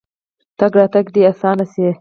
تګ راتګ دې اسانه شي.